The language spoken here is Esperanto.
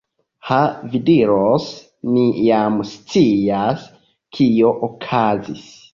Ha, vi diros, ni jam scias, kio okazis.